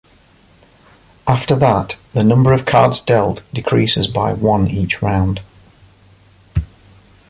After that, the number of cards dealt decreases by one each round.